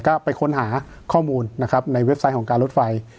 ก็ไปค้นหาข้อมูลนะครับในเว็บไซต์ของการรถไฟ